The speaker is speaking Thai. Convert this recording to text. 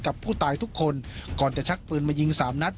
กับผู้ตายทุกคนก่อนจะชักปืนมายิงสามนัด